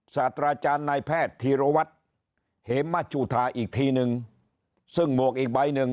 ศาสตราจารย์นายแพทย์ธีรวัตรเหมจุธาอีกทีนึงซึ่งหมวกอีกใบหนึ่ง